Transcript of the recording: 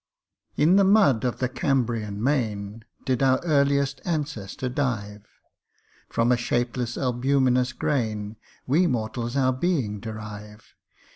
IN the mud of the Cambrian main Did our earliest ancestor dive : From a shapeless albuminous grain We mortals our being derive.